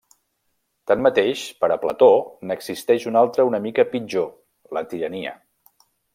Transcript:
Tanmateix, per a Plató n'existeix una altra una mica pitjor: la tirania.